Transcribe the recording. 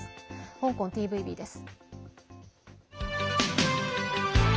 香港ＴＶＢです。